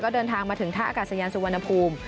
เดินทางมาถึงท่าอากาศยานสุวรรณภูมิ